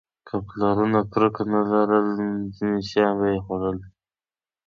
که پلرونه کرکه نه لرله، ځینې شیان به یې خوړل.